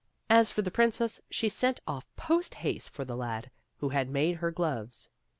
As for the princess, she sent off post haste for the lad who had made her gloves.